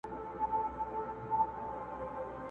او دا څنګه عدالت دی، ګرانه دوسته نه پوهېږم!.